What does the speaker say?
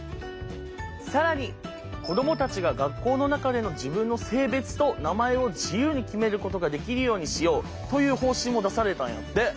更に子供たちが学校の中での自分の性別と名前を自由に決めることができるようにしようという方針も出されたんやって！